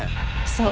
そう。